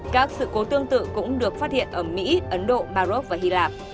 các sự cố tương tự cũng được phát hiện ở mỹ